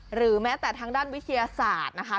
หรือแม้แต่ทางด้านวิทยาศาสตร์นะคะ